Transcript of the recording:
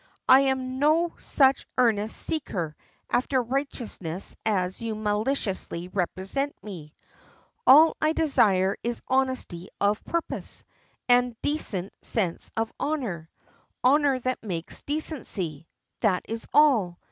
I am no such earnest seeker after righteousness as you maliciously represent me. All I desire is honesty of purpose, and a decent sense of honor honor that makes decency. That is all.